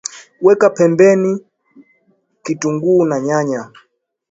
weka pembeni kitunguu na nyanya